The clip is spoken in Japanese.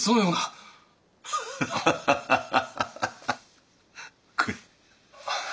ハハハハハハ！